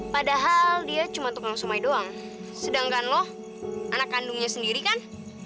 padahal dia cuma tukang sungai doang sedangkan loh anak kandungnya sendiri kan